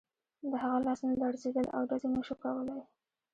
د هغه لاسونه لړزېدل او ډز یې نه شو کولای